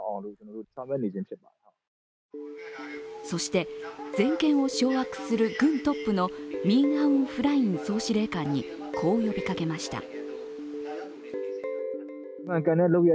そして全権を掌握する軍トップのミン・アウン・フライン総司令官にこう呼びかけました。